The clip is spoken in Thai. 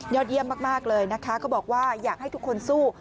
เยี่ยมมากเลยนะคะก็บอกว่าอยากให้ทุกคนสู้